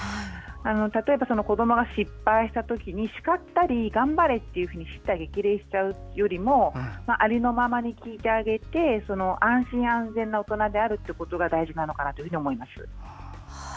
例えば、子どもが失敗したときにしかったり、頑張れとしった激励しちゃうよりもありのままに聞いてあげて安心・安全な大人であることが大事なのかと思います。